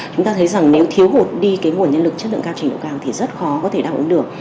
chúng ta thấy rằng nếu thiếu hụt đi cái nguồn nhân lực chất lượng cao trình độ cao thì rất khó có thể đáp ứng được